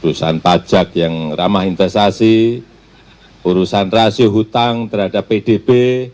urusan pajak yang ramah investasi urusan rasio hutang terhadap pdb